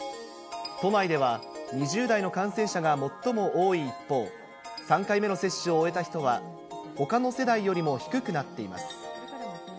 都内では２０代の感染者が最も多い一方、３回目の接種を終えた人は、ほかの世代よりも低くなっています。